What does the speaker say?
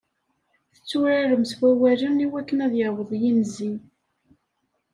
Tetturarem s wawalen iwakken ad yaweḍ yinzi.